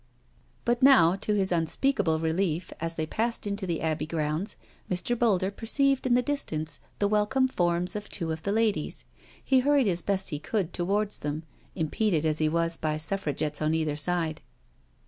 204 NO SURRENDER But now^ to his unspeakable relief, as they passed into the Abbey grounds, Mr. Boulder perceived in the distance the welcome forms of two of the ladies; he hurried as best he could towards them, impeded as he was by Suffragettes on either side.